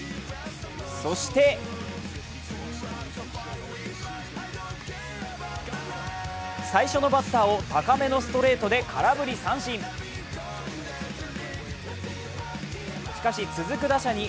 そして最初のバッターを高めのストレートで空振り三線。